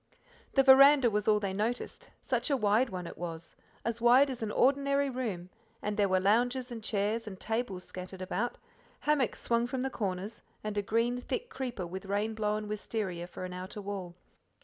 The veranda was all they noticed; such a wide one it was, as wide as an ordinary room, and there were lounges and chairs and tables scattered about, hammocks swung from the corners, and a green thick creeper with rain blown wisteria for an outer wall.